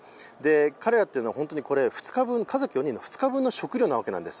彼らは本当に家族４人分の２日分の食料なわけです。